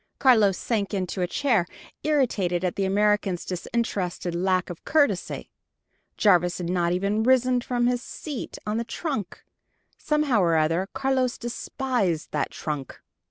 Carlos sank into a chair, irritated at the American's disinterested lack of courtesy: Jarvis had not even risen from his seat on the trunk. Somehow or other Carlos despised that trunk!